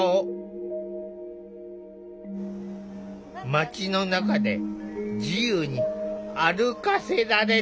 街の中で自由に歩かせられること。